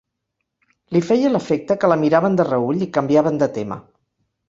Li feia l'efecte que la miraven de reüll i canviaven de tema.